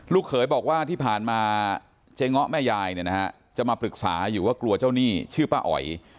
เขยบอกว่าที่ผ่านมาเจ๊ง้อแม่ยายจะมาปรึกษาอยู่ว่ากลัวเจ้าหนี้ชื่อป้าอ๋อย